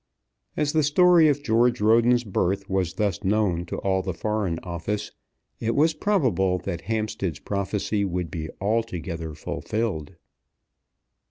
As the story of George Roden's birth was thus known to all the Foreign Office, it was probable that Hampstead's prophecy would be altogether fulfilled.